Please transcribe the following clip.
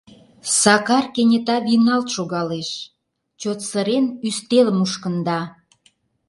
Сакар кенета вийналт шогалеш, чот сырен, ӱстелым мушкында.